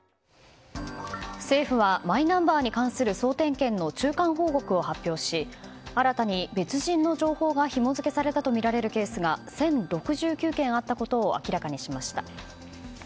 政府はマイナンバーに関する総点検の中間報告を発表し新たに別人の情報がひも付けされたとみられるケースが１０６９件あったことを明らかにしました。